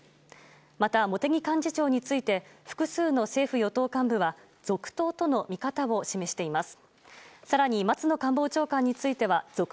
また、茂木幹事長について複数の政府・与党幹部は続投との見方を示しています。